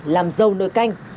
làm dâu nồi canh